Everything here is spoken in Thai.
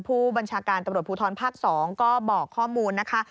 ผู้บัญชาการตำรวจภูทรภาค๒ก็บอกข้อมูลนะคะ